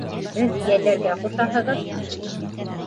Һеҙ йәлләргә ҡушаһығыҙ.